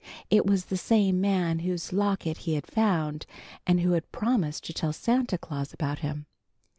It was the same man whose locket he had found, and who had promised to tell Santa Claus about him.